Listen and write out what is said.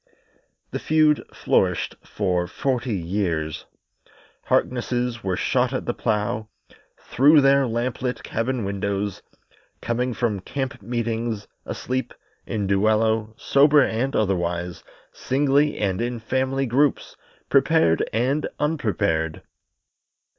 The feud flourished for forty years. Harknesses were shot at the plough, through their lamp lit cabin windows, coming from camp meeting, asleep, in duello, sober and otherwise, singly and in family groups, prepared and unprepared.